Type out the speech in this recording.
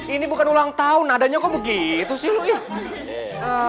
ini bukan ulang tahun nadanya kok begitu sih lu ya